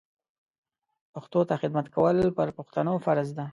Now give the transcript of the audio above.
پښتو ته خدمت کول پر پښتنو فرض ده